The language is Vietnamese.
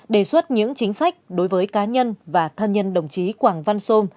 đề xuất những chính sách đối với cá nhân và thân nhân đồng chí quảng văn sôm